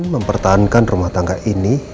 mempertahankan rumah tangga ini